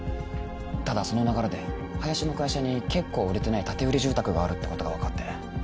ただその流れで林の会社に結構売れてない建売住宅があるってことが分かって。